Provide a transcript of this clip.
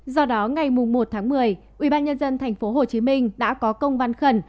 do đó ngày một một mươi ubnd thành phố hồ chí minh đã có công văn khẩn